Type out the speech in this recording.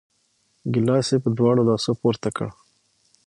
ګیلاس یې په دواړو لاسو پورته کړ!